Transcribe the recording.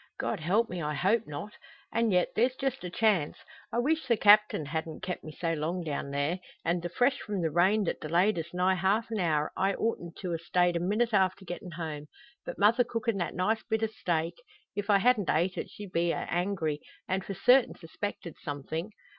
God help me, I hope not! An' yet there's just a chance. I weesh the Captain hadn't kep' me so long down there. An' the fresh from the rain that delayed us nigh half a hour, I oughtn't to a stayed a minute after gettin' home. But mother cookin' that nice bit o' steak; if I hadn't ate it she'd a been angry, and for certain suspected somethin'.